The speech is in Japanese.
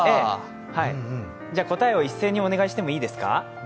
答えを一斉にお願いしてもいいですか？